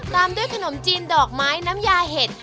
ตามด้วยขนมจีนดอกไม้น้ำยาเห็ด